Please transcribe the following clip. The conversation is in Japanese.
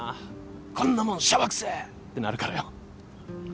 こんなもんシャバくせえってなるからよ。